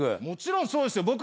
もちろんそうですよ。